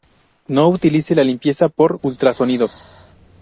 No utilice la limpieza por ultrasonidos.